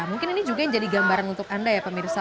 mungkin ini juga yang jadi gambaran untuk anda ya pemirsa